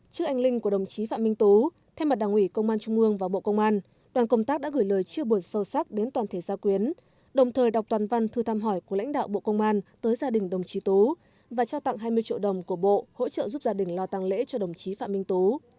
trước anh linh của đồng chí phạm minh tố thay mặt đảng ủy công an trung ương và bộ công an đoàn công tác đã gửi lời chia buồn sâu sắc đến toàn thể gia quyến đồng thời đọc toàn văn thư thăm hỏi của lãnh đạo bộ công an tới gia đình đồng chí tú và trao tặng hai mươi triệu đồng của bộ hỗ trợ giúp gia đình lo tăng lễ cho đồng chí phạm minh tố